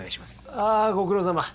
ああご苦労さま。